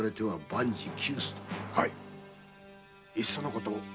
いっそのこと